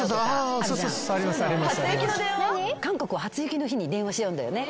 韓国は初雪の日に電話し合うんだよね。